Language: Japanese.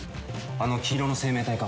あの金色の生命体か？